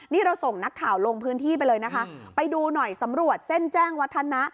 นี่เราส่งนักข่าวลงพื้นที่ไปเลยนะคะไปดูหน่อยสำรวจเส้นแจ้งวัฒนะ